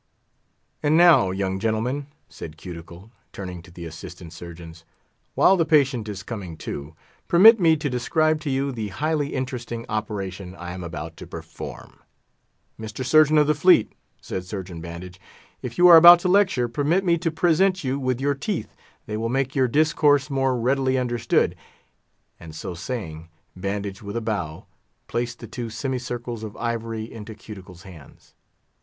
"And now, young gentlemen," said Cuticle, turning to the Assistant Surgeons, "while the patient is coming to, permit me to describe to you the highly interesting operation I am about to perform." "Mr. Surgeon of the Fleet," said Surgeon Bandage, "if you are about to lecture, permit me to present you with your teeth; they will make your discourse more readily understood." And so saying, Bandage, with a bow, placed the two semicircles of ivory into Cuticle's hands.